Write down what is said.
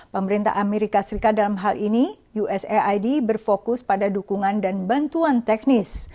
pemerintah amerika serikat dalam hal ini usaid berfokus pada dukungan dan bantuan teknis